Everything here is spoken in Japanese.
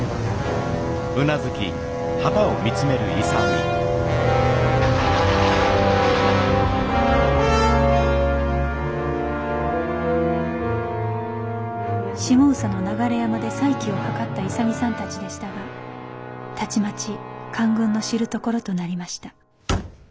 下総の流山で再起を図った勇さんたちでしたがたちまち官軍の知るところとなりました